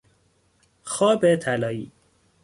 خواب طلایی